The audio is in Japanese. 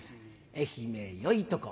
「愛媛よいとこ」